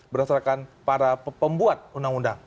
berdasarkan para pembuat undang undang